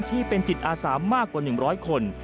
ที่เป็นจิตอาสามากกว่า๑๐๐คน